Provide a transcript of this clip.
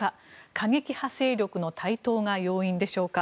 過激派勢力の台頭が要因でしょうか。